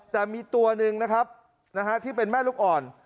แต่มีตัวหนึ่งนะครับที่เป็นแม่ลูกอ่อน